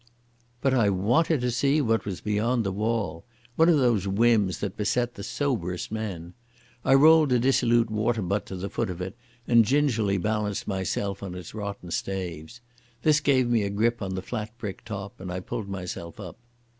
But I wanted to see what was beyond the wall—one of those whims that beset the soberest men. I rolled a dissolute water butt to the foot of it, and gingerly balanced myself on its rotten staves. This gave me a grip on the flat brick top, and I pulled myself up.